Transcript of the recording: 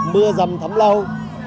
mưa dầm thấm lâu